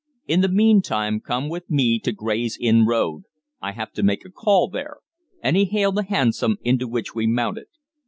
In the meantime come with me to Gray's Inn Road. I have to make a call there," and he hailed a hansom, into which we mounted.